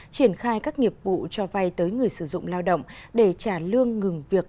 triển khai các nghiệp vụ cho vay tới người sử dụng lao động để trả lương ngừng việc